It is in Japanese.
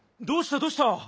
どうした？